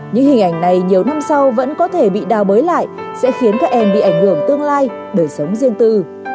những hình ảnh này nhiều năm sau vẫn có thể bị đào bới lại sẽ khiến các em bị ảnh hưởng tương lai đời sống riêng tư